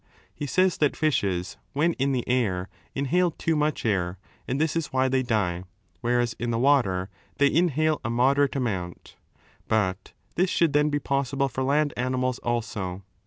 He says that fishes, when in the air, inhale too much air, and this is why they die, whereas in the water they inhale a moderate amount But this should then be possible for land animals also.